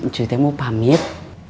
cuy aku mau pamit